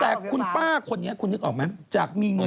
แต่คุณป้าคนนี้คุณนึกออกไหมจากมีเงิน